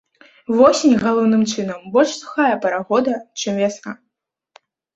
Восень, галоўным чынам, больш сухая пара года, чым вясна.